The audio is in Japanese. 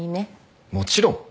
もちろん。